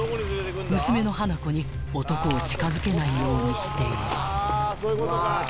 ［娘の花子に男を近づけないようにしている］